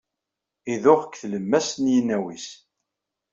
Idux deg tlemmast n yinaw-is.